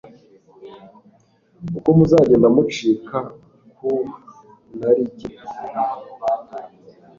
Uko muzagenda mucika ku narijye,